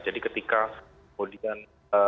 jadi ketika kemudian